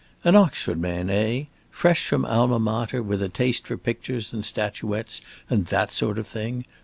An Oxford man, eh? Fresh from Alma Mater with a taste for pictures and statuettes and that sort of thing!